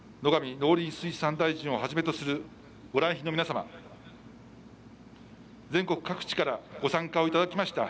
農林水産大臣をはじめとするご来賓の皆様全国各地からご参加をいただきました